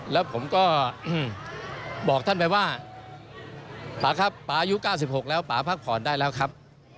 แล้วผมก็บอกท่านไปว่าป่าครับป่าอายุ๙๖แล้วป่าพักผ่อนได้แล้วครับ